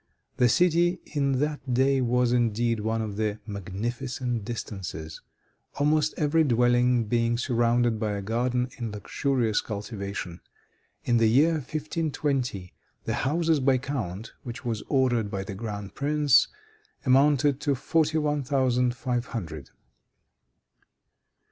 The city in that day was, indeed, one of "magnificent distances," almost every dwelling being surrounded by a garden in luxurious cultivation. In the year 1520, the houses, by count, which was ordered by the grand prince, amounted to forty one thousand five hundred.